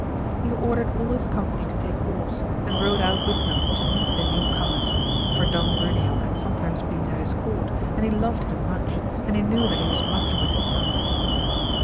He ordered all his company to take horse, and rode out with them to meet the new comers, for Don Bruneo had sometimes been at his court, and he loved him much, and knew that he was much with his sons.